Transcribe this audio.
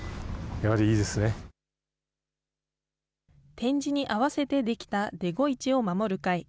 展示に合わせて出来たデゴイチを守る会。